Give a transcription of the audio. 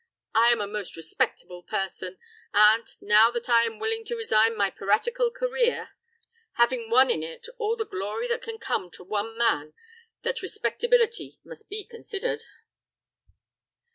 I am a most respectable person, and, now that I am willing to resign my piratical career, having won in it all the glory that can come to one man, that respectability must be considered."